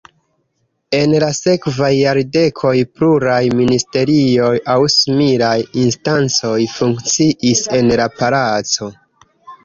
En la sekvaj jardekoj pluraj ministerioj aŭ similaj instancoj funkciis en la palaco.